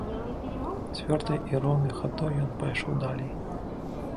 Цвёрдай і роўнай хадой ён пайшоў далей.